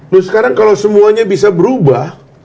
loh sekarang kalau semuanya bisa berubah